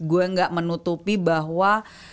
gue gak menutupi bahwa